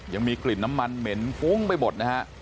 ยังมีกลิ่นน้ำมันเหม็นฟุ้งไปหมดนะฮะ